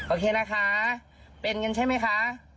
โอเคนะคะเป็นกันใช่ไหมคะ